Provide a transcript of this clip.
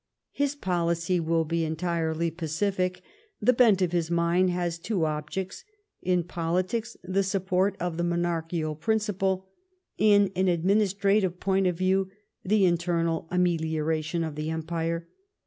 " His policy will be entirely pacific. The bent of his mind has two objects : in politics, the support of the monarchical principle ; in an administrative point of view, the internal amelioration of the empire.